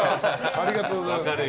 ありがとうございます。